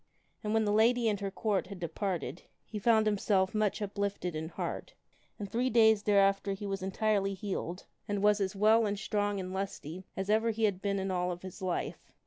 And when the Lady and her Court had departed, he found himself much uplifted in heart, and three days t after he was entirely healed and was as well and strong and lusty as evei he had been in all of his life.